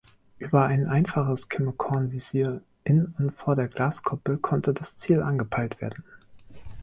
Über ein einfaches Kimme-Korn-Visier in und vor der Glaskuppel konnte das Ziel angepeilt werden.